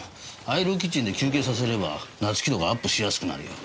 アイルーキッチンで休憩させればなつき度がアップしやすくなるよ。